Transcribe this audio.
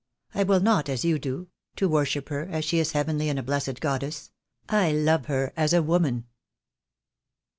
I will not, as you do; to worship her, As she is heavenly and a blessed goddess; I love her as a woman."